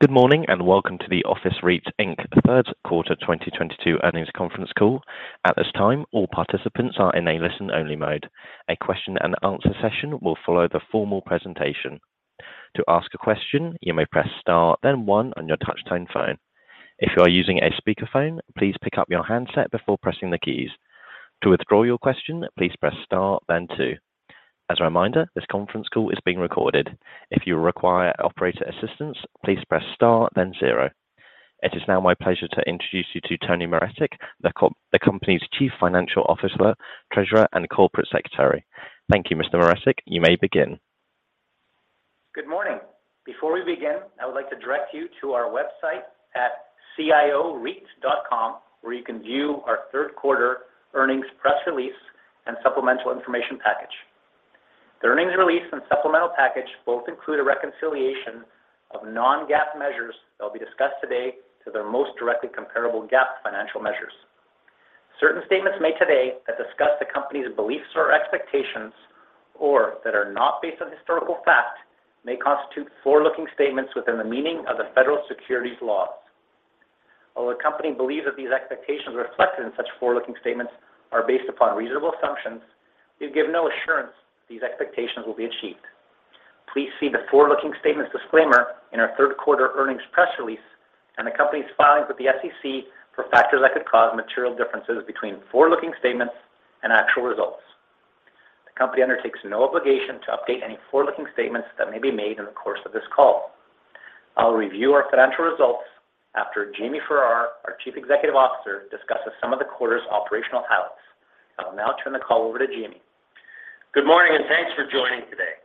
Good morning, and welcome to the City Office REIT, Inc. third quarter 2022 earnings conference call. At this time, all participants are in a listen-only mode. A question and answer session will follow the formal presentation. To ask a question, you may press Star, then one on your touchtone phone. If you are using a speakerphone, please pick up your handset before pressing the keys. To withdraw your question, please press Star then two. As a reminder, this conference call is being recorded. If you require operator assistance, please press Star then zero. It is now my pleasure to introduce you to Tony Maretic, the company's Chief Financial Officer, Treasurer, and Corporate Secretary. Thank you, Mr. Maretic. You may begin. Good morning. Before we begin, I would like to direct you to our website at cityofficereit.com, where you can view our third quarter earnings press release and supplemental information package. The earnings release and supplemental package both include a reconciliation of non-GAAP measures that will be discussed today to their most directly comparable GAAP financial measures. Certain statements made today that discuss the company's beliefs or expectations, or that are not based on historical fact, may constitute forward-looking statements within the meaning of the Federal Securities laws. While the company believes that these expectations reflected in such forward-looking statements are based upon reasonable assumptions, we give no assurance these expectations will be achieved. Please see the forward-looking statements disclaimer in our third quarter earnings press release and the company's filings with the SEC for factors that could cause material differences between forward-looking statements and actual results. The company undertakes no obligation to update any forward-looking statements that may be made in the course of this call. I'll review our financial results after Jamie Farrar, our Chief Executive Officer, discusses some of the quarter's operational highlights. I will now turn the call over to Jamie. Good morning, and thanks for joining today.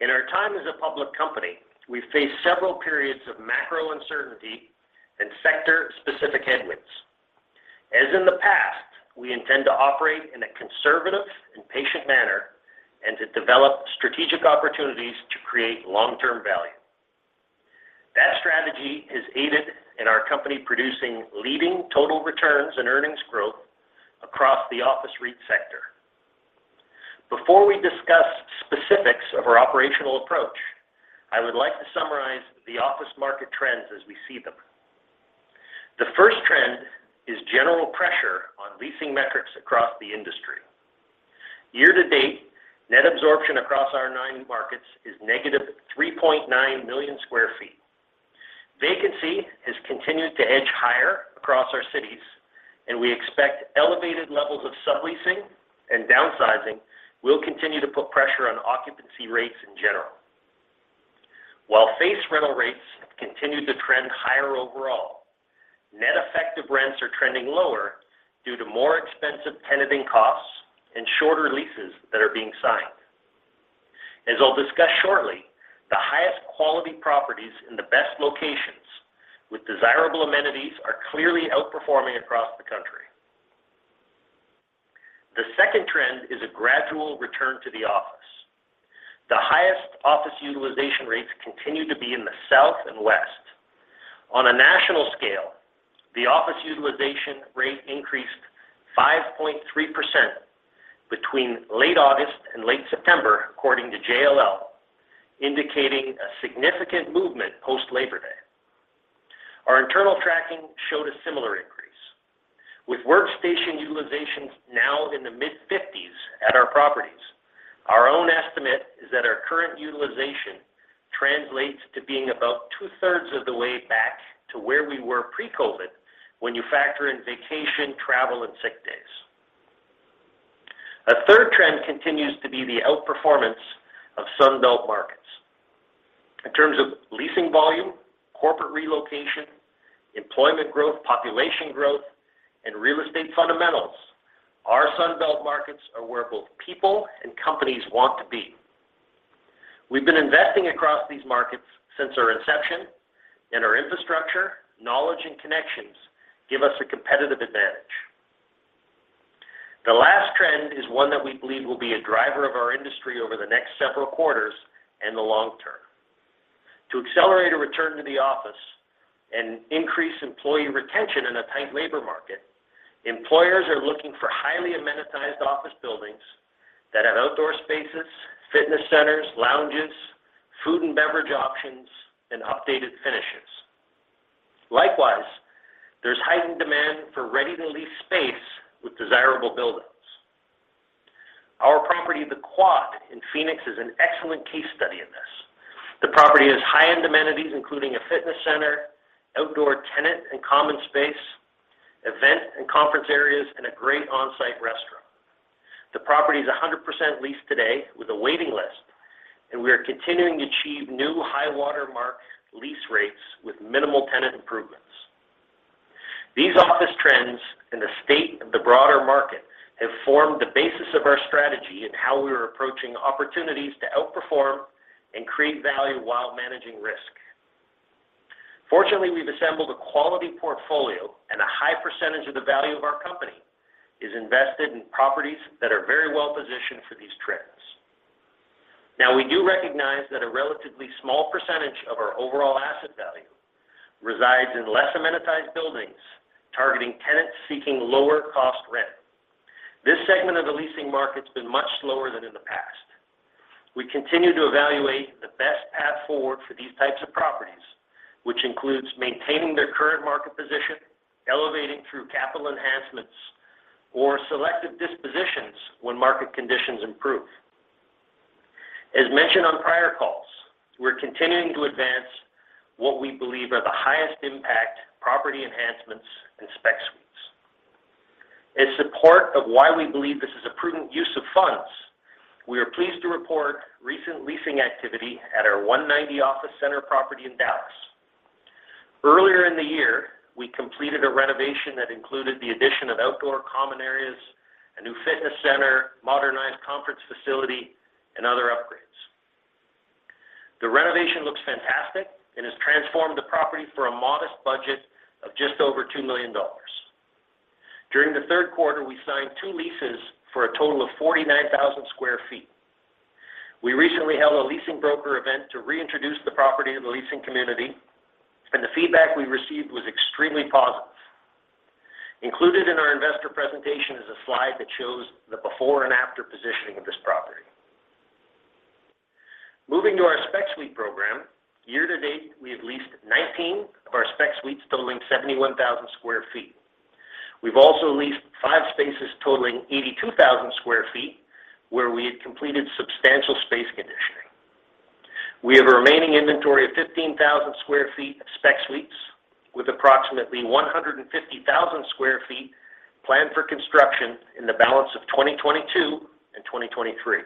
In our time as a public company, we've faced several periods of macro uncertainty and sector-specific headwinds. As in the past, we intend to operate in a conservative and patient manner and to develop strategic opportunities to create long-term value. That strategy has aided in our company producing leading total returns and earnings growth across the office REIT sector. Before we discuss specifics of our operational approach, I would like to summarize the office market trends as we see them. The first trend is general pressure on leasing metrics across the industry. Year to date, net absorption across our 9 markets is negative 3.9 million sq ft. Vacancy has continued to edge higher across our cities, and we expect elevated levels of subleasing and downsizing will continue to put pressure on occupancy rates in general. While face rental rates have continued to trend higher overall, net effective rents are trending lower due to more expensive tenanting costs and shorter leases that are being signed. As I'll discuss shortly, the highest quality properties in the best locations with desirable amenities are clearly outperforming across the country. The second trend is a gradual return to the office. The highest office utilization rates continue to be in the South and West. On a national scale, the office utilization rate increased 5.3% between late August and late September, according to JLL, indicating a significant movement post-Labor Day. Our internal tracking showed a similar increase. With workstation utilization now in the mid-fifties at our properties, our own estimate is that our current utilization translates to being about two-thirds of the way back to where we were pre-COVID when you factor in vacation, travel, and sick days. A third trend continues to be the outperformance of Sun Belt markets. In terms of leasing volume, corporate relocation, employment growth, population growth, and real estate fundamentals, our Sun Belt markets are where both people and companies want to be. We've been investing across these markets since our inception, and our infrastructure, knowledge, and connections give us a competitive advantage. The last trend is one that we believe will be a driver of our industry over the next several quarters and the long term. To accelerate a return to the office and increase employee retention in a tight labor market, employers are looking for highly amenitized office buildings that have outdoor spaces, fitness centers, lounges, food and beverage options, and updated finishes. Likewise, there's heightened demand for ready-to-lease space with desirable buildings. Our property, The Quad in Phoenix, is an excellent case study in this. The property has high-end amenities, including a fitness center, outdoor tenant and common space, event and conference areas, and a great on-site restaurant. The property is 100% leased today with a waiting list, and we are continuing to achieve new high-water mark lease rates with minimal tenant improvements. These office trends and the state of the broader market have formed the basis of our strategy in how we are approaching opportunities to outperform and create value while managing risk. Fortunately, we've assembled a quality portfolio, and a high percentage of the value of our company is invested in properties that are very well-positioned for these trends. Now, we do recognize that a relatively small percentage of our overall asset value resides in less amenitized buildings targeting tenants seeking lower cost rent. This segment of the leasing market's been much slower than in the past. We continue to evaluate the best path forward for these types of properties, which includes maintaining their current market position, elevating through capital enhancements or selective dispositions when market conditions improve. As mentioned on prior calls, we're continuing to advance what we believe are the highest impact property enhancements and spec suites. In support of why we believe this is a prudent use of funds, we are pleased to report recent leasing activity at our 190 Office Center property in Dallas. Earlier in the year, we completed a renovation that included the addition of outdoor common areas, a new fitness center, modernized conference facility, and other upgrades. The renovation looks fantastic and has transformed the property for a modest budget of just over $2 million. During the third quarter, we signed two leases for a total of 49,000 sq ft. We recently held a leasing broker event to reintroduce the property to the leasing community, and the feedback we received was extremely positive. Included in our investor presentation is a slide that shows the before and after positioning of this property. Moving to our spec suite program, year to date, we have leased 19 of our spec suites totaling 71,000 sq ft. We've also leased 5 spaces totaling 82,000 sq ft, where we had completed substantial space conditioning. We have a remaining inventory of 15,000 sq ft of spec suites with approximately 150,000 sq ft planned for construction in the balance of 2022 and 2023.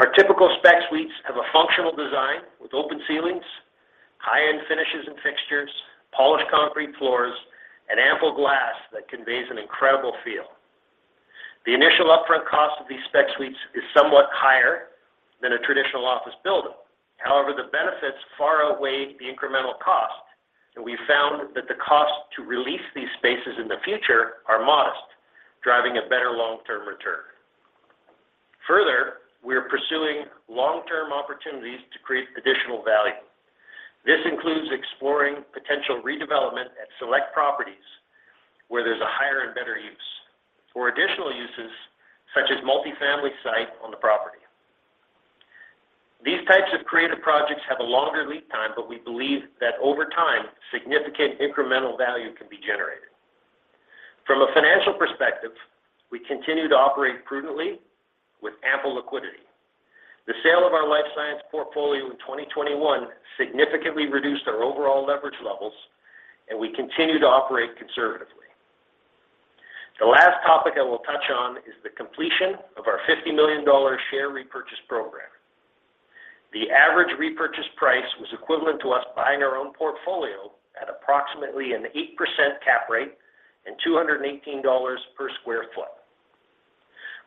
Our typical spec suites have a functional design with open ceilings, high-end finishes and fixtures, polished concrete floors, and ample glass that conveys an incredible feel. The initial upfront cost of these spec suites is somewhat higher than a traditional office build out. However, the benefits far outweigh the incremental cost, and we found that the cost to re-lease these spaces in the future are modest, driving a better long-term return. Further, we are pursuing long-term opportunities to create additional value. This includes exploring potential redevelopment at select properties where there's a higher and better use for additional uses, such as multi-family site on the property. These types of creative projects have a longer lead time, but we believe that over time, significant incremental value can be generated. From a financial perspective, we continue to operate prudently with ample liquidity. The sale of our life science portfolio in 2021 significantly reduced our overall leverage levels, and we continue to operate conservatively. The last topic I will touch on is the completion of our $50 million share repurchase program. The average repurchase price was equivalent to us buying our own portfolio at approximately an 8% cap rate and $218 per sq ft.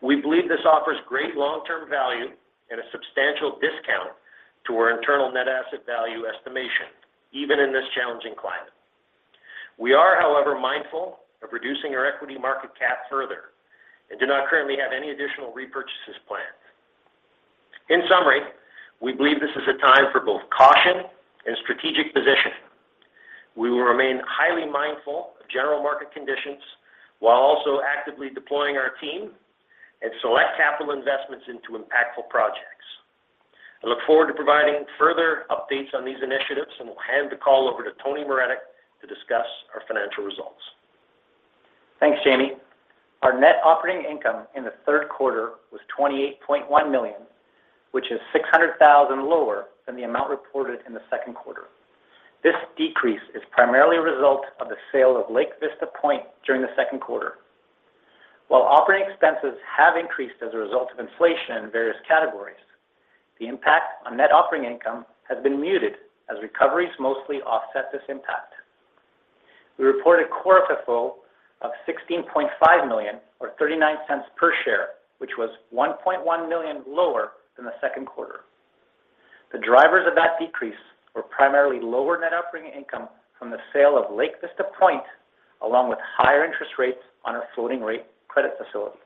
We believe this offers great long-term value at a substantial discount to our internal net asset value estimation even in this challenging climate. We are, however, mindful of reducing our equity market cap further and do not currently have any additional repurchases planned. In summary, we believe this is a time for both caution and strategic positioning. We will remain highly mindful of general market conditions while also actively deploying our team and select capital investments into impactful projects. I look forward to providing further updates on these initiatives, and we'll hand the call over to Tony Maretic to discuss our financial results. Thanks, Jamie. Our net operating income in the third quarter was $28.1 million, which is $600,000 lower than the amount reported in the second quarter. This decrease is primarily a result of the sale of Lake Vista Point during the second quarter. While operating expenses have increased as a result of inflation in various categories, the impact on net operating income has been muted as recoveries mostly offset this impact. We reported core FFO of $16.5 million or $0.39 per share, which was $1.1 million lower than the second quarter. The drivers of that decrease were primarily lower net operating income from the sale of Lake Vista Point, along with higher interest rates on our floating rate credit facility.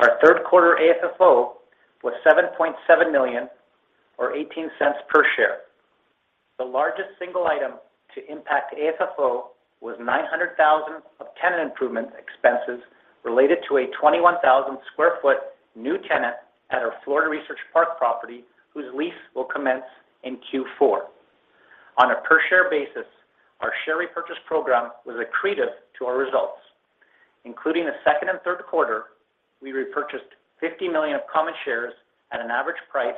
Our third quarter AFFO was $7.7 million or $0.18 per share. The largest single item to impact AFFO was $900,000 of tenant improvement expenses related to a 21,000 sq ft new tenant at our Florida Research Park property, whose lease will commence in Q4. On a per share basis, our share repurchase program was accretive to our results. In the second and third quarter, we repurchased 50 million common shares at an average price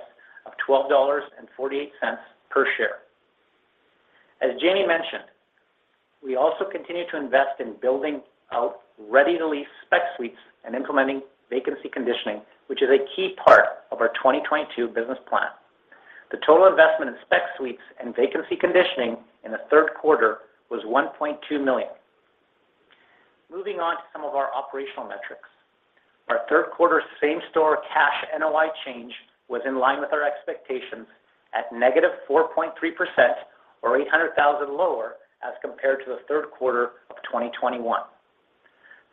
of $12.48 per share. As Jamie mentioned, we also continue to invest in building out ready-to-lease spec suites and implementing vacancy conditioning, which is a key part of our 2022 business plan. The total investment in spec suites and vacancy conditioning in the third quarter was $1.2 million. Moving on to some of our operational metrics. Our third quarter same-store cash NOI change was in line with our expectations at -4.3% or $800,000 lower as compared to the third quarter of 2021.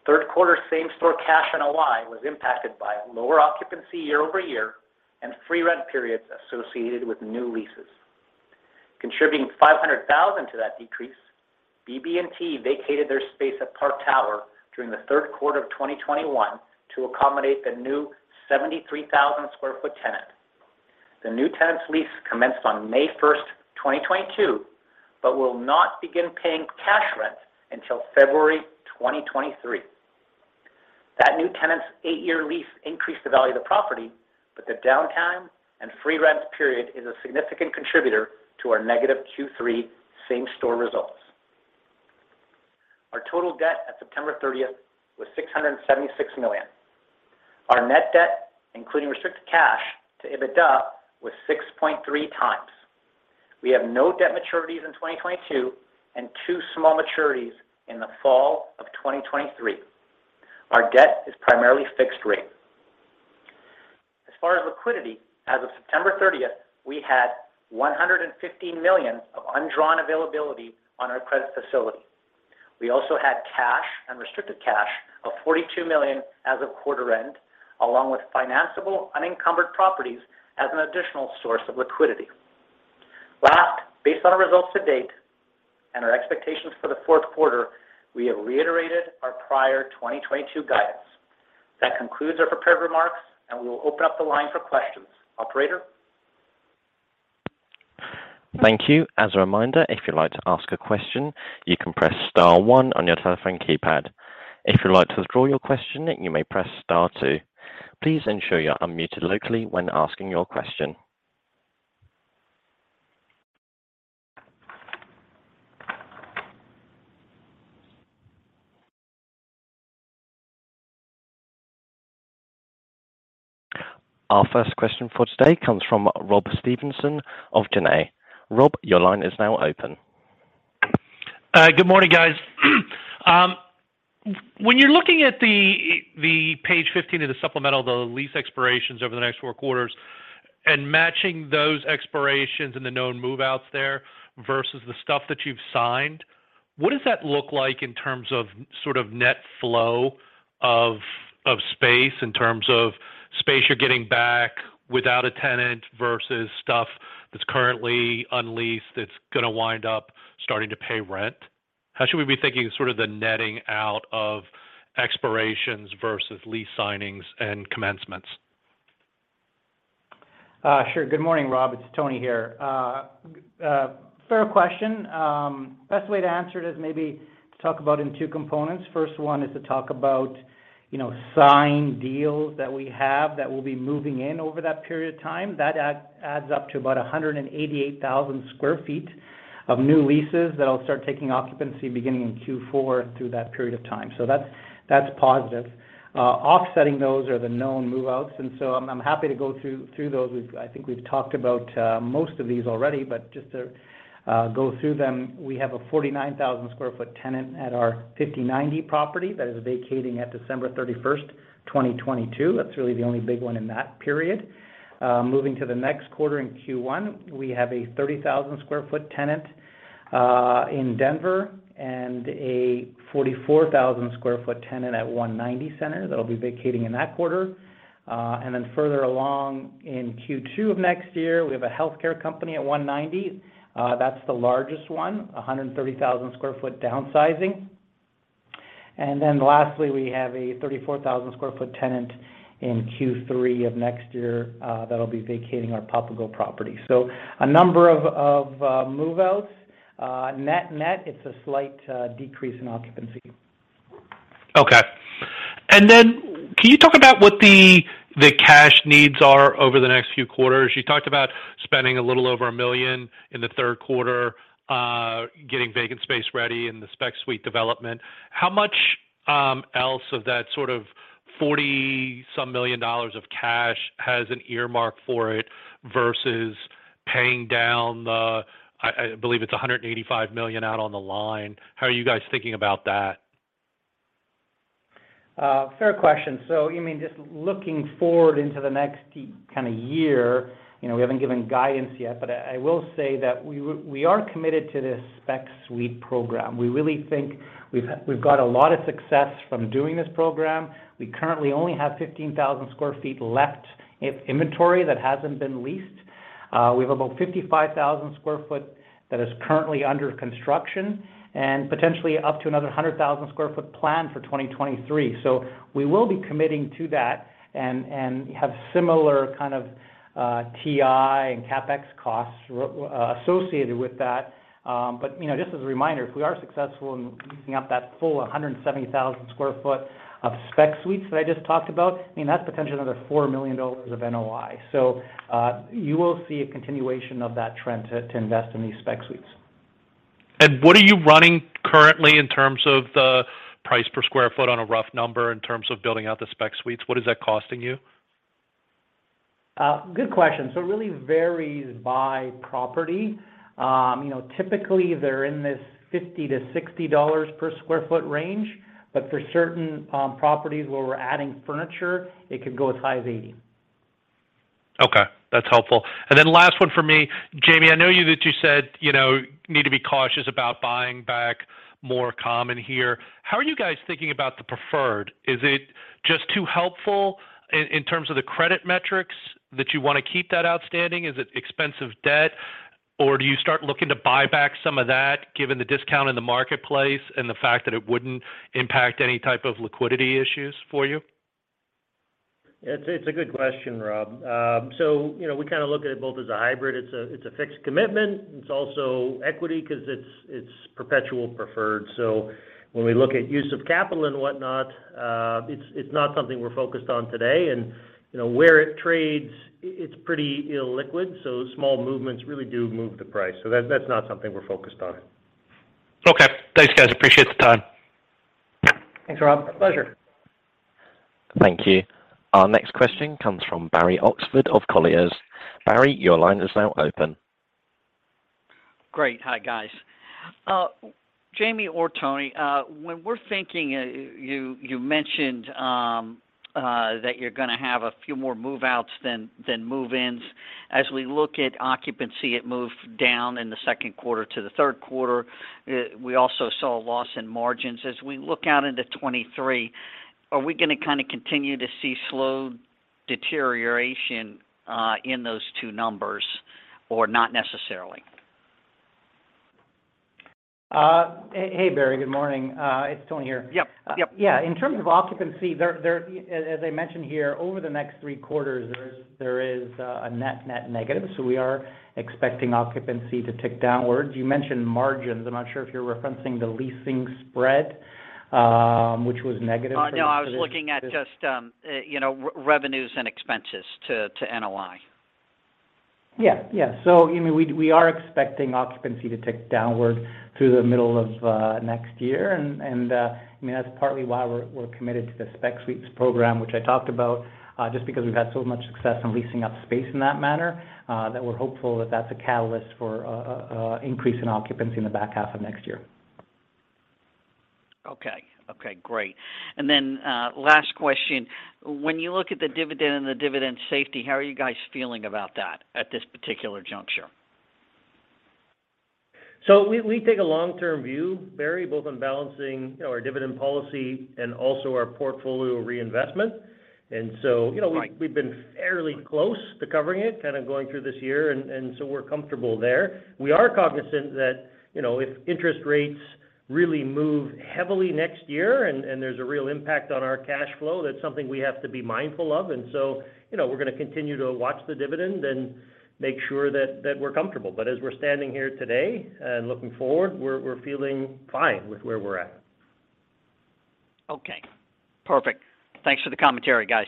Third quarter same-store cash NOI was impacted by lower occupancy year-over-year and free rent periods associated with new leases. Contributing $500,000 to that decrease, BB&T vacated their space at Park Tower during the third quarter of 2021 to accommodate the new 73,000 sq ft tenant. The new tenant's lease commenced on May 1, 2022, but will not begin paying cash rent until February 2023. That new tenant's 8-year lease increased the value of the property, but the downtime and free rent period is a significant contributor to our negative Q3 same-store results. Our total debt at September 30 was $676 million. Our net debt, including restricted cash to EBITDA, was 6.3 times. We have no debt maturities in 2022 and two small maturities in the fall of 2023. Our debt is primarily fixed rate. As far as liquidity, as of September 30th, we had $150 million of undrawn availability on our credit facility. We also had cash and restricted cash of $42 million as of quarter end, along with financiable unencumbered properties as an additional source of liquidity. Last, based on our results to date and our expectations for the fourth quarter, we have reiterated our prior 2022 guidance. That concludes our prepared remarks, and we will open up the line for questions. Operator? Thank you. As a reminder, if you'd like to ask a question, you can press star one on your telephone keypad. If you'd like to withdraw your question, you may press star two. Please ensure you're unmuted locally when asking your question. Our first question for today comes from Rob Stevenson of Janney. Rob, your line is now open. Good morning, guys. When you're looking at the page 15 of the supplemental, the lease expirations over the next four quarters and matching those expirations and the known move-outs there versus the stuff that you've signed, what does that look like in terms of sort of net flow of space, in terms of space you're getting back without a tenant versus stuff that's currently unleased that's gonna wind up starting to pay rent? How should we be thinking sort of the netting out of expirations versus lease signings and commencements? Sure. Good morning, Rob. It's Tony here. Fair question. Best way to answer it is maybe to talk about in two components. First one is to talk about, you know, signed deals that we have that will be moving in over that period of time. That adds up to about 188,000 sq ft of new leases that'll start taking occupancy beginning in Q4 through that period of time. That's positive. Offsetting those are the known move-outs, and I'm happy to go through those. I think we've talked about most of these already. Just to go through them, we have a 49,000 sq ft tenant at our 5090 property that is vacating at December 31, 2022. That's really the only big one in that period. Moving to the next quarter in Q1, we have a 30,000 sq ft tenant in Denver and a 44,000 sq ft tenant at 190 Office Center that'll be vacating in that quarter. Then further along in Q2 of next year, we have a healthcare company at 190 Office Center. That's the largest one, a 130,000 sq ft downsizing. Then lastly, we have a 34,000 sq ft tenant in Q3 of next year that'll be vacating our Papago property. A number of move-outs. Net, it's a slight decrease in occupancy. Okay. Can you talk about what the cash needs are over the next few quarters? You talked about spending a little over $1 million in the third quarter, getting vacant space ready and the spec suite development. How much else of that sort of 40-some million dollars of cash has an earmark for it versus paying down the, I believe it's $185 million out on the line? How are you guys thinking about that? Fair question. You mean just looking forward into the next kind of year, you know, we haven't given guidance yet, but I will say that we are committed to this spec suite program. We really think we've got a lot of success from doing this program. We currently only have 15,000 sq ft left in inventory that hasn't been leased. We have about 55,000 sq ft that is currently under construction and potentially up to another 100,000 sq ft planned for 2023. We will be committing to that and have similar kind of TI and CapEx costs associated with that. You know, just as a reminder, if we are successful in leasing up that full 170,000 sq ft of spec suites that I just talked about, I mean, that's potentially another $4 million of NOI. You will see a continuation of that trend to invest in these spec suites. What are you running currently in terms of the price per square foot on a rough number in terms of building out the spec suites? What is that costing you? Good question. It really varies by property. You know, typically they're in this $50-$60 per sq ft range, but for certain properties where we're adding furniture, it could go as high as $80. Okay, that's helpful. Last one for me. Jamie, I know that you said, you know, need to be cautious about buying back more common here. How are you guys thinking about the preferred? Is it just too helpful in terms of the credit metrics that you want to keep that outstanding? Is it expensive debt or do you start looking to buy back some of that given the discount in the marketplace and the fact that it wouldn't impact any type of liquidity issues for you? It's a good question, Rob. You know, we kind of look at it both as a hybrid. It's a fixed commitment. It's also equity because it's perpetual preferred. When we look at use of capital and whatnot, it's not something we're focused on today. You know, where it trades, it's pretty illiquid, so small movements really do move the price. That's not something we're focused on. Okay. Thanks, guys. Appreciate the time. Thanks, Rob. Pleasure. Thank you. Our next question comes from Barry Oxford of Colliers. Barry, your line is now open. Great. Hi, guys. Jamie or Tony, when we're thinking, you mentioned that you're gonna have a few more move-outs than move-ins. As we look at occupancy, it moved down in the second quarter to the third quarter. We also saw a loss in margins. As we look out into 2023, are we gonna kind of continue to see slow deterioration in those two numbers, or not necessarily? Hey, Barry. Good morning. It's Tony here. Yep. Yep. Yeah. In terms of occupancy, as I mentioned here, over the next three quarters, there is a net negative, so we are expecting occupancy to tick downwards. You mentioned margins. I'm not sure if you're referencing the leasing spread, which was negative for most of this. No, I was looking at just, you know, revenues and expenses to NOI. I mean, we are expecting occupancy to tick downward through the middle of next year. I mean, that's partly why we're committed to the spec suites program, which I talked about just because we've had so much success in leasing up space in that manner that we're hopeful that that's a catalyst for increase in occupancy in the back half of next year. Okay. Okay, great. Last question. When you look at the dividend and the dividend safety, how are you guys feeling about that at this particular juncture? We take a long-term view, Barry, both on balancing, you know, our dividend policy and also our portfolio reinvestment. Right We've been fairly close to covering it, kind of going through this year, and so we're comfortable there. We are cognizant that, you know, if interest rates really move heavily next year and there's a real impact on our cash flow, that's something we have to be mindful of. You know, we're gonna continue to watch the dividend and make sure that we're comfortable. As we're standing here today and looking forward, we're feeling fine with where we're at. Okay. Perfect. Thanks for the commentary, guys.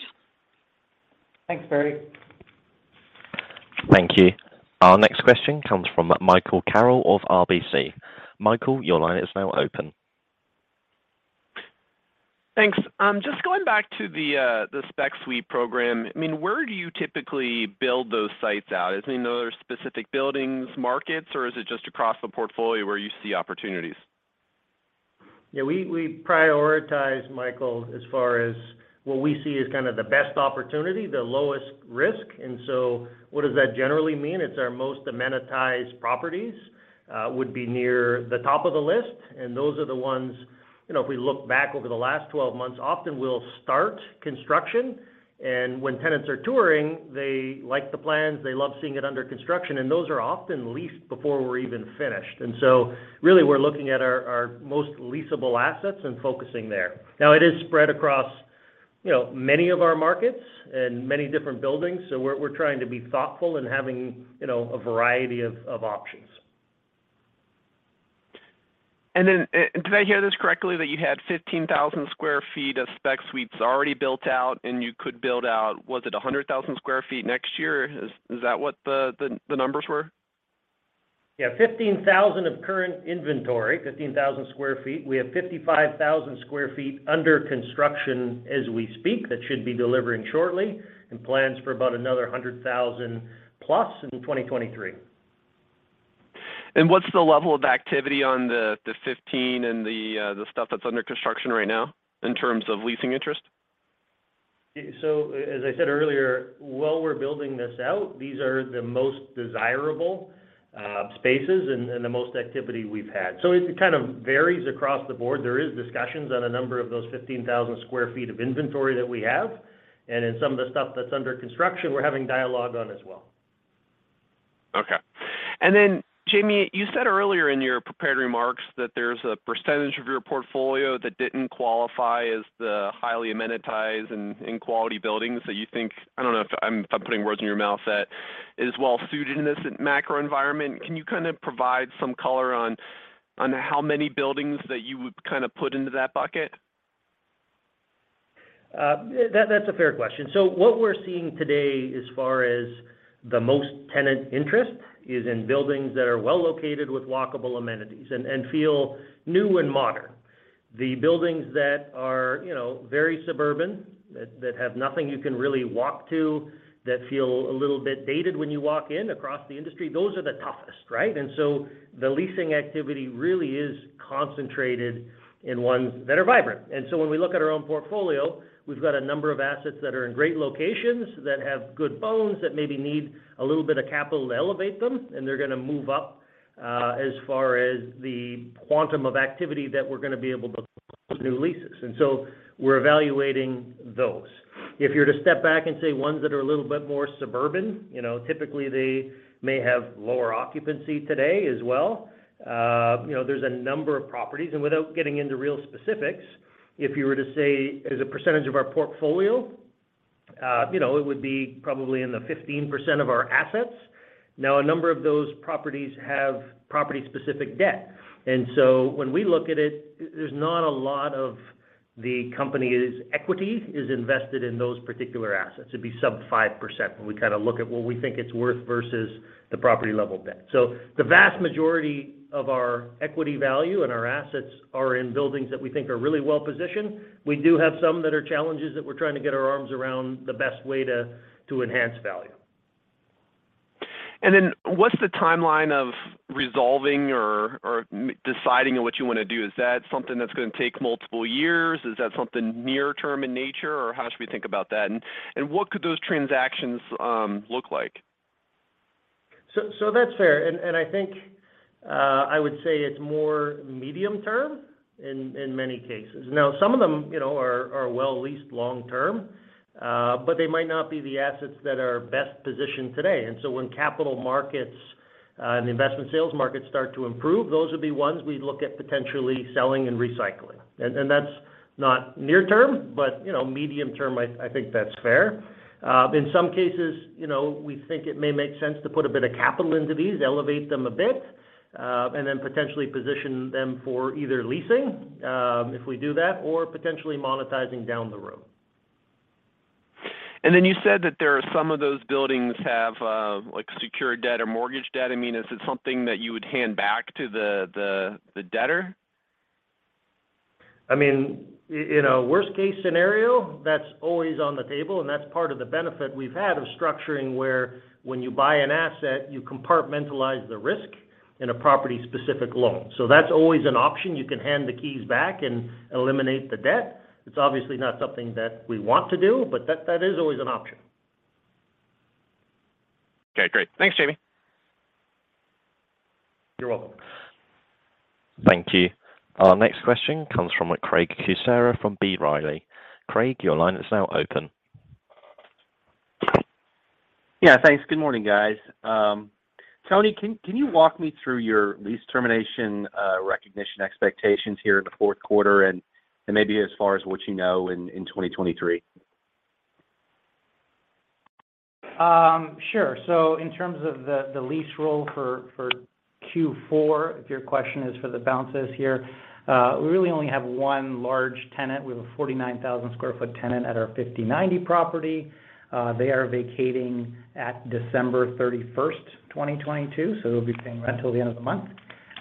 Thanks, Barry. Thank you. Our next question comes from Michael Carroll of RBC. Michael, your line is now open. Thanks. Just going back to the spec suite program. I mean, where do you typically build those sites out? Is there another specific buildings, markets, or is it just across the portfolio where you see opportunities? Yeah, we prioritize, Michael, as far as what we see as kind of the best opportunity, the lowest risk. What does that generally mean? It's our most amenitized properties would be near the top of the list, and those are the ones, you know, if we look back over the last 12 months, often we'll start construction, and when tenants are touring, they like the plans. They love seeing it under construction. Those are often leased before we're even finished. Really we're looking at our most leasable assets and focusing there. Now it is spread across, you know, many of our markets and many different buildings. We're trying to be thoughtful in having, you know, a variety of options. Did I hear this correctly that you had 15,000 sq ft of spec suites already built out and you could build out, was it 100,000 sq ft next year? Is that what the numbers were? Yeah. 15,000 of current inventory. 15,000 sq ft. We have 55,000 sq ft under construction as we speak that should be delivering shortly, and plans for about another 100,000+ in 2023. What's the level of activity on the 15 and the stuff that's under construction right now in terms of leasing interest? As I said earlier, while we're building this out, these are the most desirable, spaces and the most activity we've had. It kind of varies across the board. There is discussions on a number of those 15,000 sq ft of inventory that we have. In some of the stuff that's under construction, we're having dialogue on as well. Okay. Jamie, you said earlier in your prepared remarks that there's a percentage of your portfolio that didn't qualify as the highly amenitized and quality buildings that you think, I don't know if I'm putting words in your mouth, that is well suited in this macro environment. Can you kind of provide some color on how many buildings that you would kind of put into that bucket? That's a fair question. What we're seeing today as far as the most tenant interest is in buildings that are well located with walkable amenities and feel new and modern. The buildings that are, you know, very suburban, that have nothing you can really walk to, that feel a little bit dated when you walk in across the industry, those are the toughest, right? When we look at our own portfolio, we've got a number of assets that are in great locations that have good bones that maybe need a little bit of capital to elevate them, and they're gonna move up as far as the quantum of activity that we're gonna be able to close new leases. We're evaluating those. If you're to step back and say ones that are a little bit more suburban, you know, typically they may have lower occupancy today as well. You know, there's a number of properties, and without getting into real specifics, if you were to say as a percentage of our portfolio, you know, it would be probably in the 15% of our assets. Now, a number of those properties have property-specific debt. When we look at it, there's not a lot of the company's equity is invested in those particular assets. It'd be sub 5% when we kind of look at what we think it's worth versus the property level debt. The vast majority of our equity value and our assets are in buildings that we think are really well positioned. We do have some that are challenges that we're trying to get our arms around the best way to enhance value. Then what's the timeline of resolving or deciding on what you want to do? Is that something that's going to take multiple years? Is that something near term in nature, or how should we think about that? What could those transactions look like? That's fair. I think I would say it's more medium term in many cases. Now, some of them, you know, are well leased long term, but they might not be the assets that are best positioned today. When capital markets and the investment sales markets start to improve, those would be ones we'd look at potentially selling and recycling. That's not near term, but you know, medium term, I think that's fair. In some cases, you know, we think it may make sense to put a bit of capital into these, elevate them a bit, and then potentially position them for either leasing, if we do that, or potentially monetizing down the road. you said that there are some of those buildings have, like secured debt or mortgage debt. I mean, is it something that you would hand back to the debtor? I mean, in a worst-case scenario, that's always on the table, and that's part of the benefit we've had of structuring, where when you buy an asset, you compartmentalize the risk in a property-specific loan. That's always an option. You can hand the keys back and eliminate the debt. It's obviously not something that we want to do, but that is always an option. Okay, great. Thanks, Jamie. You're welcome. Thank you. Our next question comes from Craig Kucera from B. Riley. Craig, your line is now open. Yeah. Thanks. Good morning, guys. Tony, can you walk me through your lease termination recognition expectations here in the fourth quarter and maybe as far as what you know in 2023? Sure. In terms of the lease roll for Q4, if your question is for the vacancies here, we really only have one large tenant. We have a 49,000 sq ft tenant at our 5090 property. They are vacating at December 31, 2022, so they'll be paying rent till the end of the month.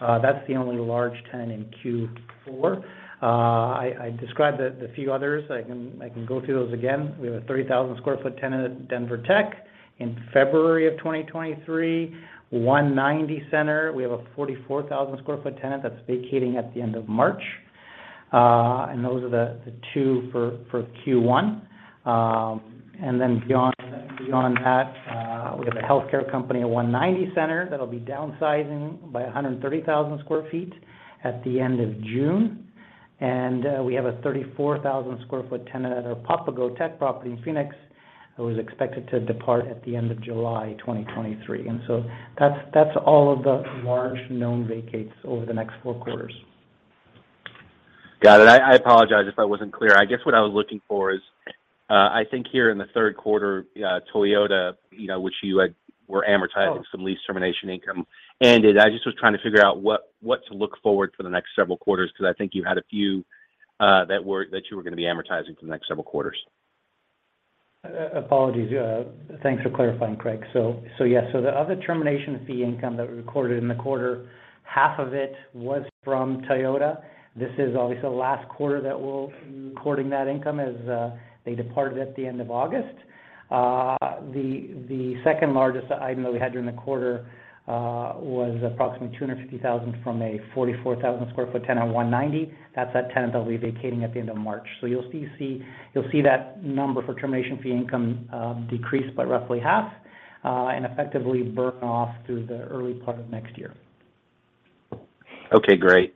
That's the only large tenant in Q4. I described the few others. I can go through those again. We have a 30,000 sq ft tenant at Denver Tech Center in February 2023. 190 Office Center, we have a 44,000 sq ft tenant that's vacating at the end of March. Those are the two for Q1. Beyond that, we have a healthcare company at 190 Office Center that'll be downsizing by 130,000 sq ft at the end of June. We have a 34,000 sq ft tenant at our Papago Tech property in Phoenix who is expected to depart at the end of July 2023. That's all of the large known vacates over the next four quarters. Got it. I apologize if I wasn't clear. I guess what I was looking for is, I think here in the third quarter, Toyota, you know, which you were amortizing some lease termination income ended. I just was trying to figure out what to look forward for the next several quarters, because I think you had a few, that you were going to be amortizing for the next several quarters. Apologies. Thanks for clarifying, Craig. Yes. The other termination fee income that we recorded in the quarter, half of it was from Toyota. This is obviously the last quarter that we're recording that income as they departed at the end of August. The second largest item that we had during the quarter was approximately $250,000 from a 44,000 sq ft tenant at 190. That's that tenant that'll be vacating at the end of March. You'll see that number for termination fee income decrease by roughly half and effectively burn off through the early part of next year. Okay, great.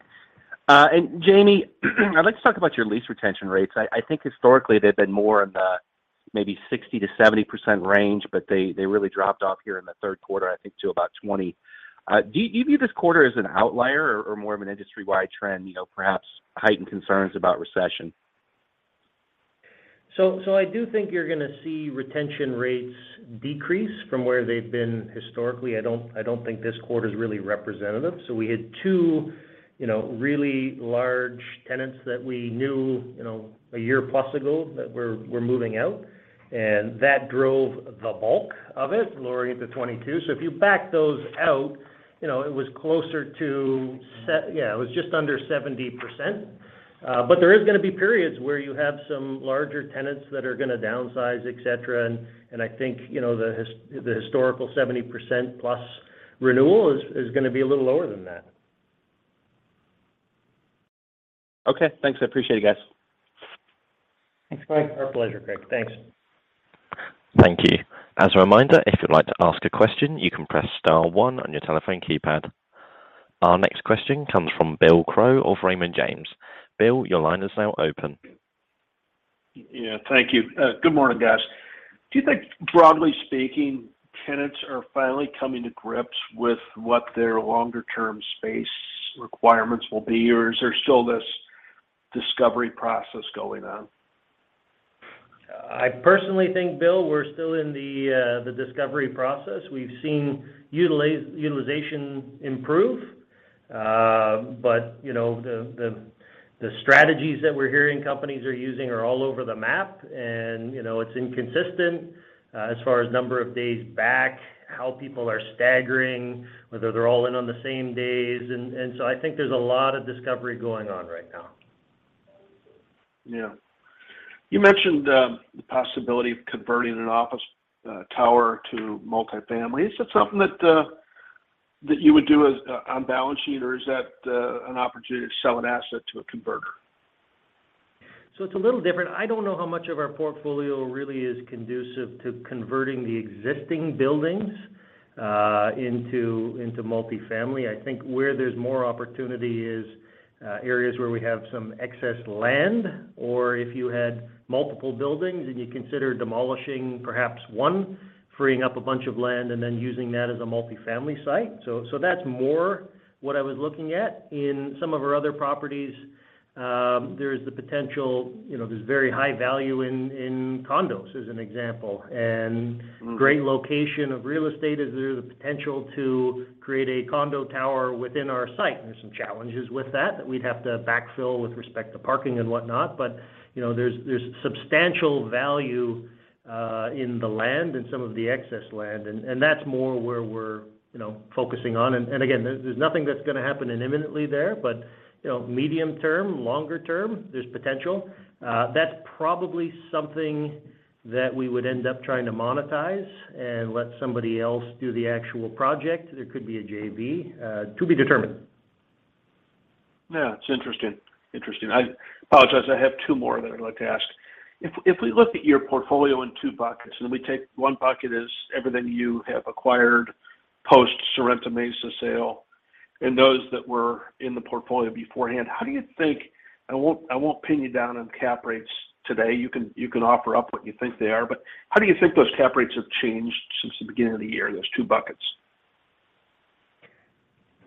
Jamie, I'd like to talk about your lease retention rates. I think historically they've been more in the maybe 60%-70% range, but they really dropped off here in the third quarter, I think to about 20%. Do you view this quarter as an outlier or more of an industry-wide trend? You know, perhaps heightened concerns about recession. I do think you're going to see retention rates decrease from where they've been historically. I don't think this quarter is really representative. We had two, you know, really large tenants that we knew, you know, a year plus ago that were moving out, and that drove the bulk of it, lowering it to 22%. If you back those out, you know, it was closer to yeah, it was just under 70%. But there is going to be periods where you have some larger tenants that are going to downsize, et cetera. I think, you know, the historical 70% plus renewal is going to be a little lower than that. Okay, thanks. I appreciate it, guys. Thanks, Craig Kucera. Our pleasure, Craig Kucera. Thanks. Thank you. As a reminder, if you'd like to ask a question, you can press star one on your telephone keypad. Our next question comes from Bill Crow of Raymond James. Bill, your line is now open. Yeah. Thank you. Good morning, guys. Do you think, broadly speaking, tenants are finally coming to grips with what their longer term space requirements will be, or is there still this discovery process going on? I personally think, Bill, we're still in the discovery process. We've seen utilization improve. But you know, the strategies that we're hearing companies are using are all over the map and, you know, it's inconsistent, as far as number of days back, how people are staggering, whether they're all in on the same days. I think there's a lot of discovery going on right now. Yeah. You mentioned the possibility of converting an office tower to multifamily. Is that something that you would do as on balance sheet or is that an opportunity to sell an asset to a converter? It's a little different. I don't know how much of our portfolio really is conducive to converting the existing buildings into multifamily. I think where there's more opportunity is areas where we have some excess land or if you had multiple buildings and you consider demolishing perhaps one, freeing up a bunch of land and then using that as a multifamily site. That's more what I was looking at. In some of our other properties, there's the potential, you know, there's very high value in condos as an example. Great location of real estate is there the potential to create a condo tower within our site, and there's some challenges with that we'd have to backfill with respect to parking and whatnot. You know, there's substantial value in the land and some of the excess land, and that's more where we're, you know, focusing on. Again, there's nothing that's gonna happen imminently there. You know, medium term, longer term, there's potential. That's probably something that we would end up trying to monetize and let somebody else do the actual project. There could be a JV to be determined. Yeah. It's interesting. I apologize. I have two more that I'd like to ask. If we look at your portfolio in two buckets, and then we take one bucket is everything you have acquired post Sorrento Mesa sale and those that were in the portfolio beforehand, how do you think. I won't pin you down on cap rates today. You can offer up what you think they are. How do you think those cap rates have changed since the beginning of the year in those two buckets?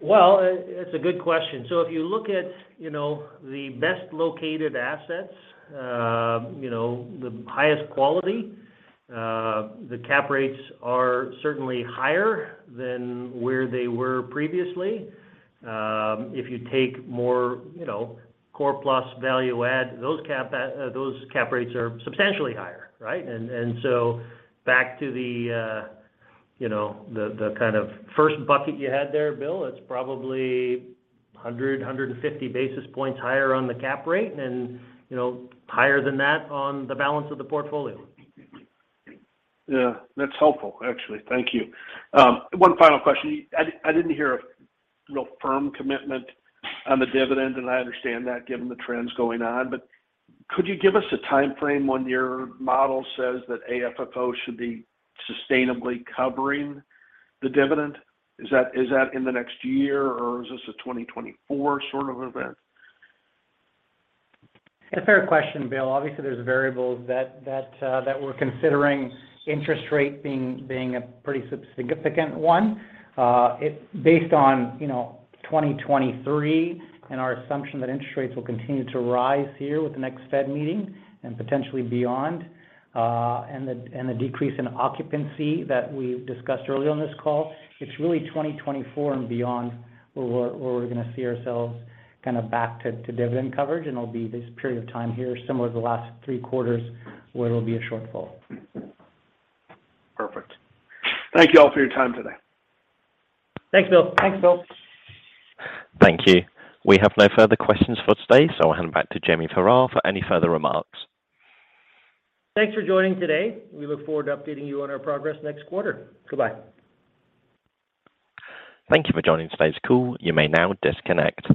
It's a good question. If you look at, you know, the best located assets, you know, the highest quality, the cap rates are certainly higher than where they were previously. If you take more, you know, core plus value add, those cap rates are substantially higher, right? Back to the, you know, the kind of first bucket you had there, Bill, it's probably 150 basis points higher on the cap rate and, you know, higher than that on the balance of the portfolio. Yeah, that's helpful, actually. Thank you. One final question. I didn't hear a real firm commitment on the dividend, and I understand that given the trends going on. Could you give us a timeframe when your model says that AFFO should be sustainably covering the dividend? Is that in the next year or is this a 2024 sort of event? It's a fair question, Bill. Obviously, there's variables that we're considering, interest rate being a pretty significant one. Based on, you know, 2023 and our assumption that interest rates will continue to rise here with the next Fed meeting and potentially beyond, and the decrease in occupancy that we discussed earlier on this call, it's really 2024 and beyond where we're gonna see ourselves kind of back to dividend coverage. It'll be this period of time here similar to the last three quarters where it'll be a shortfall. Perfect. Thank you all for your time today. Thanks, Bill. Thanks, Bill. Thank you. We have no further questions for today, so I'll hand back to Jamie Farrar for any further remarks. Thanks for joining today. We look forward to updating you on our progress next quarter. Goodbye. Thank you for joining today's call. You may now disconnect.